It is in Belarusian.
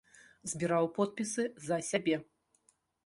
Збіраў подпісы за сябе.